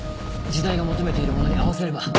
時代が求めているものに合わせれば。